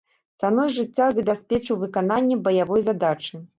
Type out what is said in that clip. Цаной жыцця забяспечыў выкананне баявой задачы.